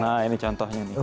nah ini contohnya nih